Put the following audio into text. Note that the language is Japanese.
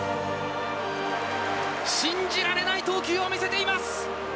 信じられない投球を見せています。